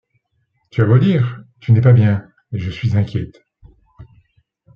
Tu as beau dire, tu n'es pas bien et je suis inquiète.